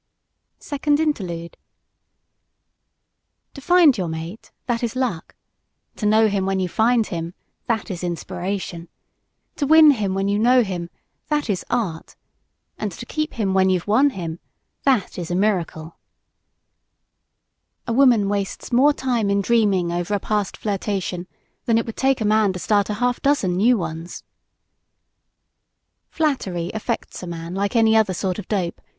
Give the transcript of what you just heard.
SECOND INTERLUDE TO find your mate that is luck; to know him when you find him that is inspiration; to win him when you know him that is art; and to keep him when you've won him that is a miracle. A woman wastes more time in dreaming over a past flirtation than it would take a man to start a half dozen new ones. Flattery affects a man like any other sort of "dope."